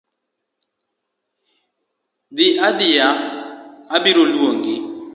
Dhi adhia abiro luongi.